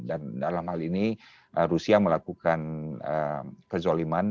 dan dalam hal ini rusia melakukan kezaliman